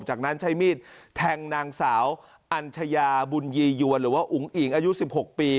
จากนั้นใช้มีดแทงนางสาวอัญชยาบุญยียวนหรือว่าอุ๋งอิ๋งอายุ๑๖ปี